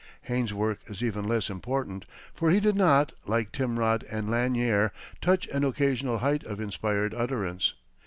Hayne's work is even less important, for he did not, like Timrod and Lanier, touch an occasional height of inspired utterance.